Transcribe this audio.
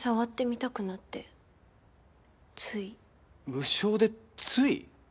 無性でつい？